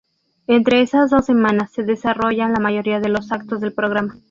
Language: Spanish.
Entre esas dos semanas se desarrollan la mayoría de los actos del programa.